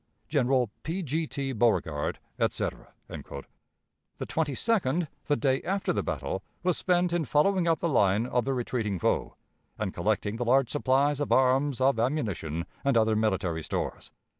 "General P. G. T. Beauregard, etc." The 22d, the day after the battle, was spent in following up the line of the retreating foe, and collecting the large supplies of arms, of ammunition, and other military stores.